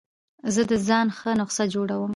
زه د ځان ښه نسخه جوړوم.